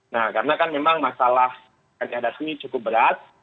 nah karena kan memang masalah kandian dasmi cukup berat